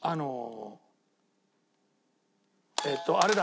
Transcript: えっとあれだ。